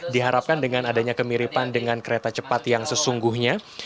diharapkan dengan adanya kemiripan dengan kereta cepat yang sesungguhnya